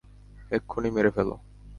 এক্ষুনি মেরে ফেলো।